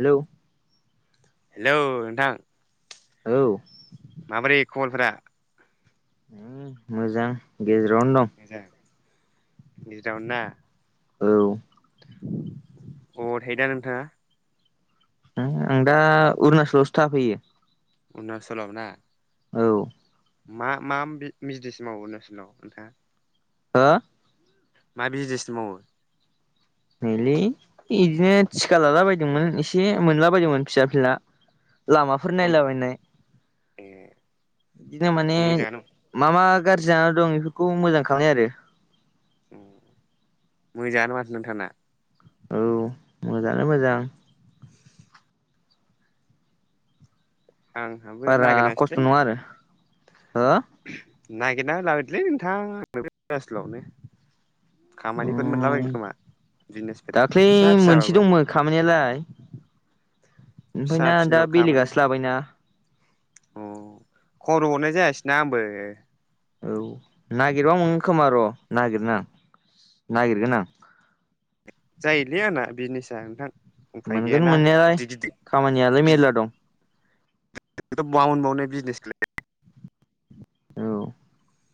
हेल' hello नोंथां औ माबोरै खबरफोरा? ओम मोजां गेजेरावनो दं। गेजेराव नोदा? औ ओबाव थायो दा नोंथाङा? आं दा अरुनाचलावसो थाफैयो। अरुनाचलाव ना? औ। मा मा बिजनेस मावो अरुनाचलाव नोंथाङा? हा? मा बिजनेस मावो? नैलै बिदिनो थिखा लाला बायदोंमोन एसे मोनला बायदोंमोन फिसा फिनला। ़ं लामाफोर नायलाबायनाय। ए बिदिनो माने मोजाङानो मा मा गाज्रि जानानै दं बेफोरखौ मोजां खालामनाय आरो। ओम मोजाङानो माथो नोंथां ना। औ मोजाङा मोजां। आंहाबो बारा नागिरनासैलै खस्थ' नङा आरो हो नागिरना होलाबायदोलै नोंथांं आंनोबो उरुनाचलावनो। खामानिफोर उम मोनलाबायनो खोमा बिजनेसफोर दाख्लै फिसा मोनसे फिसाबाबो। दंमोन खामानियालाय ओमफ्राय फिसा ना दा फिल' खामानि बेलेगासो लाबायना। अ खबर हरनाय जायासैना आंबो। औ नागिरबा मोनगोन खोमा र' नागिरनो आं नागिरगोन आं। जायोलै आंना बिजनेसा नोंथां। उफाय मोनगोन गैयाना मोननायालाय गिदिर गिदिर खामानियालाय मेरला दं। बाउनोबावनाय बिजनेसखौलाय औ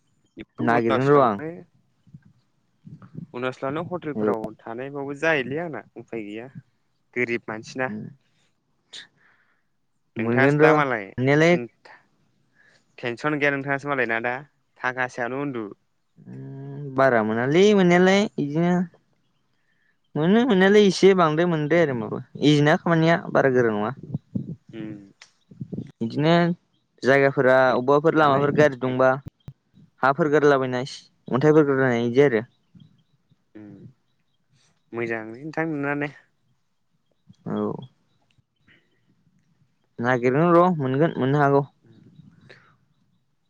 [unintelligible] नागिरगोन र' आं उरुनाचलावनो औ हटेलफोराव थानायबाबो जायोलै आंना उफाय गैया गोरिब मानसिना। मोनगोन नोंथाङासो र' दा मालाय मोननायालाय सिन्था टेनसन गैया नोंथाङासो मालाय ना दा? थाखा सायावनो उन्दु। ओम बारा मोनालै मोननायालाय बिदिनो मोनो मोननायालाय एसे बांद्राय मोनद्राया आरो होनबा बो इजिना खामानिया बारा गोरा नङा। उम बिदिनो जायगाफोरा अबेबाफोर मानाय लामाफोर गाज्रि दंबा हाफोर गोरलाबायनाय अन्थाइफोर रोगानाय बिदि आरो ओम मोजां लै नोंथां नोंनानो। औ नागिरगोन र' मोनगोन मोननो हागौ।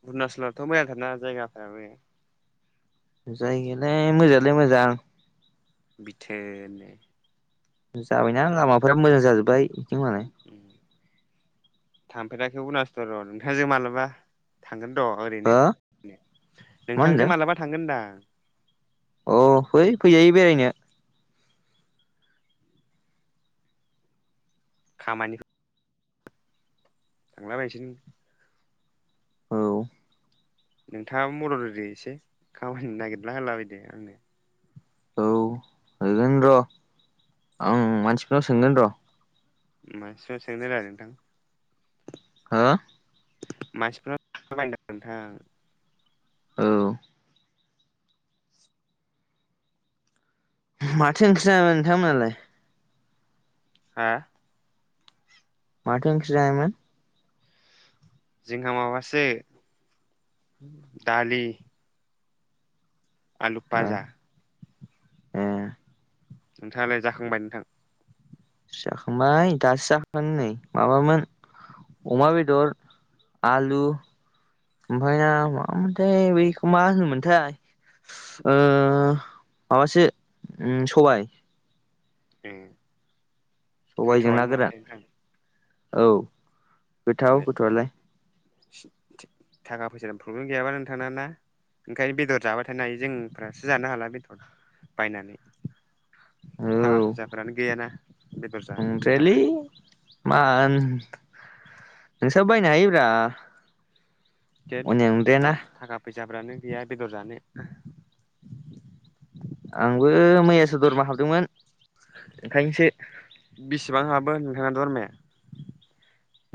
अरुनाचलावथ' मोजांथारा जायगाफोराबो। जायगायालाय मोजाङालाय मोजां बिथोर नो जाबायना लामाफोरा मोजां जाजोब्बाय बिदि मालाय। थांफेराखै उरुनाचलाव नोंथांजों मालाबा थांगोन- र' ओरैनो हो नोंथांजों मालाबा थांगोन होनदां। औ फै फैजायो बेरायनो। खामानि- थांलाबायनिसैनो औ नोंथाङा मदद होदो एसे खामानि नागिरला होला बायदो आंनो औ होगोन र' आं मानसिफोरनाव सोंगोन र' [inaudible] हो मानसिफोर बायदों नोंथां औ माथो ओंख्रि जानाय नोंथांमोनहालाय हा माथो ओंख्रि जानायमोन जोंहा माबासो दालि आलु ए पाजा ए नोंथाङालाय जाखांबाय नोंथां जाखांबाय दासो जाखोन नै माबामोन अमा बेदर आलु ओमफ्राय माबामोनथाय बेखौ मा होनोमोनथाय माबासो सबाय ए सबायजों ना गोथावानो गोरान माथो नोंथां औ गोथाव गोथावालाय थाखा फैसानि प्रब्लेम गैयाबा नोंथाङाना ना ओंखायनो बेदर जाबाथाय हायो जोंफ्रासो जानो हाला बेदर बायनानै थाखा फैसाफोरानो गैयाना बेदर जानो जोंहा नंद्राया लै मान नोंसाबो बायनो हायोब्रा अयनाय द्रायाना जाब्रानो गैया बेदर जानो ओंखायसो बेसेबां हाबो नोंथाङा दरमाहाया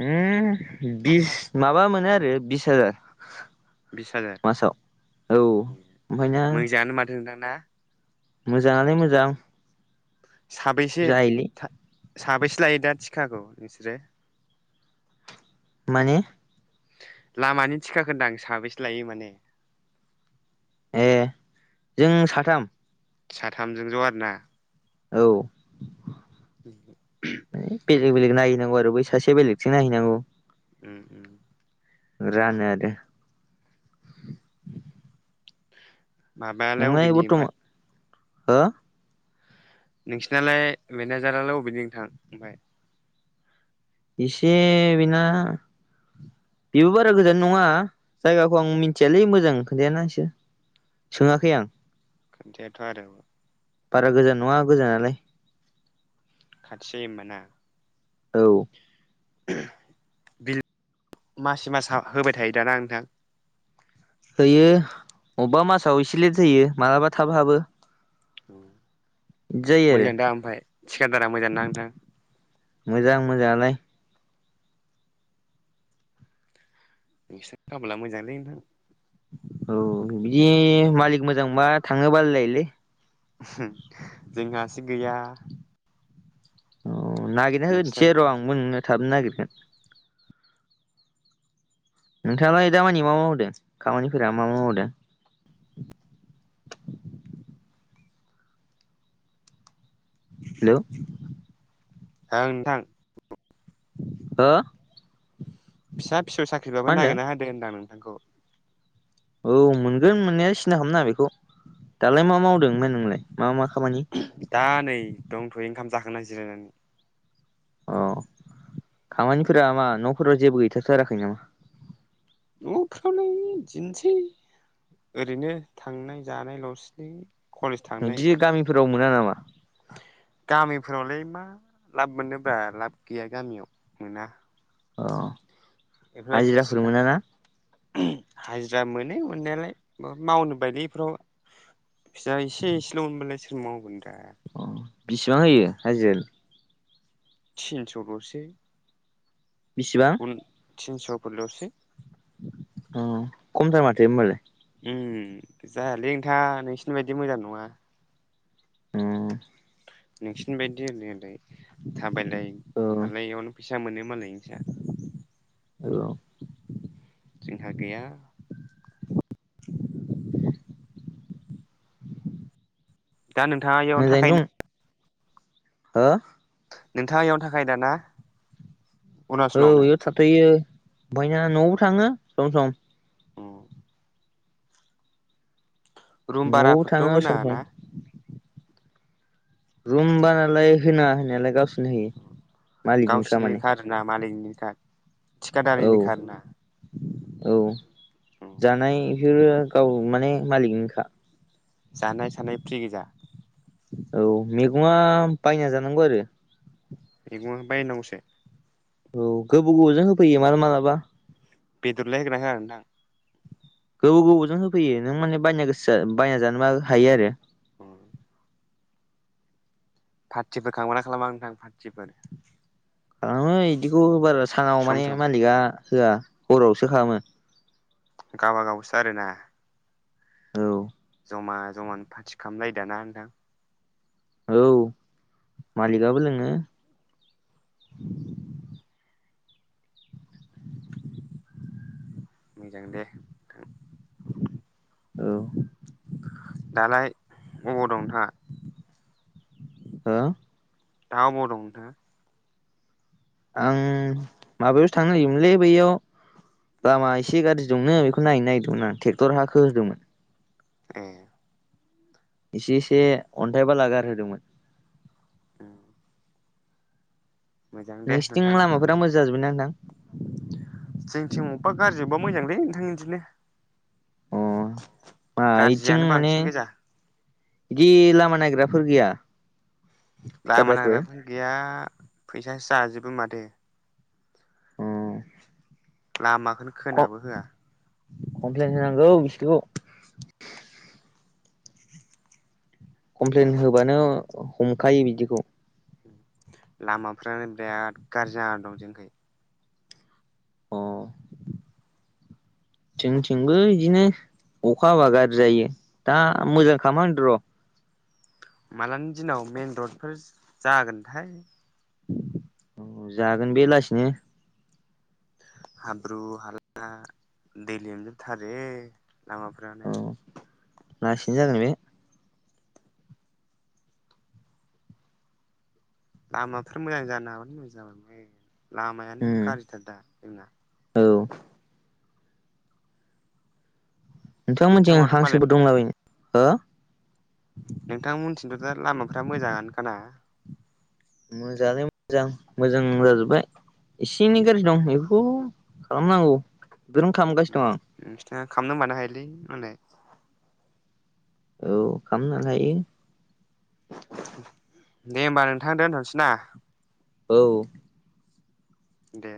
ओम बिस माबा मोनो आरो बिस हाजार बिस हाजार मासाव औ ओफायना मोजाङानो माथो नोंथां ना मोजाङालाय मोजां साबैसे जायोलै साबैसे लायो दा थिखाखौ नोंसोरो मानिे लामानि थिखा होनदों आं साबेसे लायो माने ए जों साथाम साथामजों ज' आरोना औ बेलेग बेलेग नायहैनांगौ आरो आरो बै सासेया बेलेगथिं नायैनांगौ उम उम रानो आरोे माबायालाय नोंलाय अबेनि ओमफ्राय बर्थमान हो नोंसिनालाय मेनाजारालाय बबेनि नोंथां ओमफ्राय इसेे बिना बेबो बारा गोजान नङा जायगाखौ आं मिथियाालै मोजां खोनथायाना इसोर अ सोङाखै आं खोन्थायाथ' आरो बारा गोजान नङा गोजानालाय खाथि जायो होमबाना? औ [unintelligible] मासि मास हा होबाय थायो दा ना नोंथां? होयो अबेबा मासाव एसे लेट जायो मालाबा थाब हाबो। जायो आरो मोजांदा ओमफ्राय थिखादारा मोजांना नोंथां? मोजां मोजाङालाय नोंसोरनि खाफाला मोजांलै नोंथां। औ बिदि मालिक मोजांबा थाङो बालायलायोलै हो जोंहासो गैया। अ नागिरना होनोसै नोंसिनानो र' मोजां आंबो नोंनो थाबनो नागिरगोन। नोंथाङालाय दामानि मा मावदों खामानिफोरा मा मा मावदों? हेल' ओ नोंथां हो फिसा फिसौ मा साख्रिबाबो होनदों नागिरना होदो होनदां नोंथांखौ औ मोनगोन मोननाया सिनथा खालामनाङा बेखौ दालाय मा मावदों ओमफ्राय नोंलाय मा मा खामानि? दा नै दंथ'यो ओंखाम जाखांना जिरायनानै अ खामानिफोरा मा न'फोराव जेबो गैथा थाराखै नामा? न'फ्रावलाय बिदिनोसै ओरैनो थांनाय जानाय ल'सै लै। कलेज थांनाय बिदि गामिफोराव मोना नामा गामि फ्रावलाय मा लाब मोननोब्रा लाब गैया गामियाव मोना। अ बेफोरबायदि हाजिराफोर थिखा मोना ना? हाजिरा मोनो मोननायालाय मावनो बायोलै बेफोराव फैसा एसे एसेल' मोनबालाय सोर मावगोन दे। अ बिसिबां होयो हाजिराया? थिनस'ल'सो। बेसेबां? तिनस'फोरल'सो। अ खमथार माथो ओमबालाय। ओ जायालै नोंथां नोंसिनि बायदि मोजां नङा। अ नोंसिनि बायदि ओरै ओरै थाबायलाय अ मालाय बेयावनो फैसा मोनो मालाय नोंसा। [inaudible] [unintelligible] जोंहा गैया। दा नोंथाङा इयावनो मोजाङैनो थाखायोना? दं हो नोंथाङा इयावनो थाखायो दा ना? औ अरुणाचलावनो इयावनो थाथ'यो ओमफायो न'आव थाङो सम सम। औ रुम न'आवबो बाराफोरथ' थाङो सम होनाङा सम ना। रुमबालाय होनाङा होनायालाय गावसोरनो होयो। मालिकनिखा गावसिनिनो माने खा आरोना मालिकनिनो खा। औ औ जानाय बेफोरो गाव माने मालिकनिखा जानाय थानाय फ्रि गोजा औ मैगङा बायना जानांगौ आरो मेगङा बायनांगौसो औ गोबाव गोबावजों होफैयो माला मालाबा बेदरलाय होगोनना होया नोंथां? गोबाव गोबावजों होफैयो नों माने बायनो गोसो जा बायना जानोबा हायो आरो। पार्टिफोर खालामोना खालामा नोंथां पार्टिफोर। खालामो इदिखौ बारा सानाव सम माने सम मालिका। होआ हरावसो खालामो गावबागावसो आरोना औ जमा जमानो फाथि खालामलायो दाना नोंथां। औ मालिकआबो लोङो। मोजां दे नोंथां औ दालाय अबाव दं नोंथाङा? हो? दा ओबाव दं? आं माबायावसो थांनो नागिरदोंमोनलै बैयाव लामा एसे गाज्रि दंनो बिखौ नायहैनो नागिरदोंमोन आं ट्रेक्टर हा खोहोदोंमोन। ए इसे इसे अन्थाइ बाला गारहोदोंमोन। औ मोजां दे नोंसिथिं नोंथां दानो लामाफोरा मोजां जाजोब्बायना नोंथां? जोंथिं अबेबा गाज्रि अबबा मोजांलै नोंथां इदिनो। अ मा गारज्रियानो बांसिन गोजा। जि लामा नायग्राफोर गैया। लामा थिखादारफोर? नांग्राफोरानो गैया फैसासो जाजोबो माथो। औ लामा कम कमप्लेन होनांगौ बिसोरखौ। कमप्लेन होबानो हमखायो बिदिखौ। लामाफ्रानो बिराद गारजि जाना दं जोनिखै। अ जोंथिंबो इदिनो। अखा हाबा गाज्रि जायो दा मोजां खामा होनो र'। मालानि दिनाव मेन रडफोर जागोनथाय? जागोन बेलासिनो हाब्रु हाला दै लोम जोबथारो लामाफोरानो। लासिनो जागोन बे। लामाफोर मोजां जानो हाबानो मोजां जाबाय। उम लामायानो गाज्रिथार दा जोंना। औ नोंथांमोनजों नोंथांनाथ' मालाय हांसोबो दंलाबायो हो। नोंथांमोनथिंथ' दा लामाफ्रा मोजाङानोखाना? मोजाङालाय मोजां मोजां जाजोबबाय। एसे एनै गाज्रि दं बेखौ खालामनांगौ। बेखौनो खालामगासिनो ओम दं आं नोंसिना खामनो होनबानो हायोलै मालाय। औ खामनो हायो। दे होमबा नोंथां दोनथ'नोसै ना? औ दे।